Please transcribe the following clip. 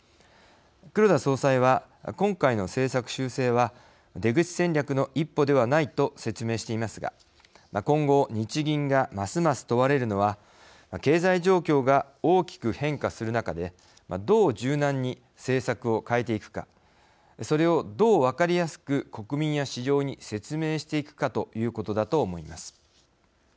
黒田総裁は今回の政策修正は出口戦略の一歩ではないと説明していますが今後、日銀がますます問われるのは経済状況が大きく変化する中でどう柔軟に政策を変えていくかそれをどう分かりやすく国民や市場に説明していくかということだと思います。